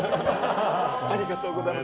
ありがとうございます。